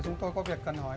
chúng tôi có việc cần hỏi